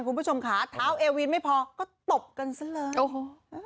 คุณผู้ชมค่ะเท้าเอวีนไม่พอก็ตบกันซะเลยโอ้โห